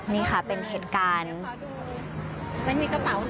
นี่ค่ะเป็นเหตุการณ์